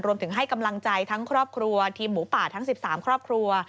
ให้กำลังใจทั้งครอบครัวทีมหมูป่าทั้ง๑๓ครอบครัว